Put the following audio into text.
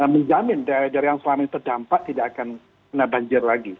menjamin dari yang selama ini terdampak tidak akan kena banjir lagi